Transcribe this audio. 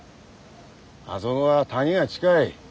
あそごは谷が近い。